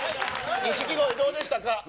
錦鯉、どうでしたか。